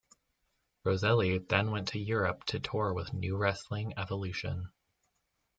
Roselli then went to Europe to tour with Nu-Wrestling Evolution.